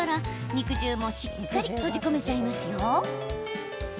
肉汁も、しっかり閉じ込めちゃいますよ。